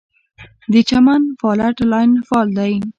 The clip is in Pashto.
د چمن فالټ لاین فعال دی